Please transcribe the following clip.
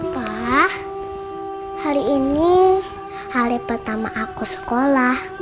pak hari ini hari pertama aku sekolah